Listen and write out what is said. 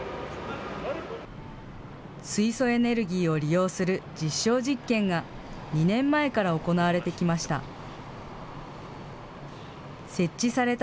水素エネルギーを利用する実証実験が、２年前から行われてきました。